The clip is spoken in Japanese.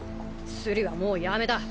スリはもうやめだ。